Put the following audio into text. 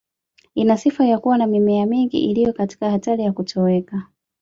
Ina sifa ya kuwa na mimea mingi iliyo katika hatari ya kutoweka